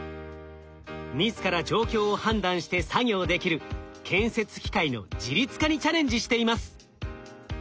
自ら状況を判断して作業できる建設機械の自律化にチャレンジしています。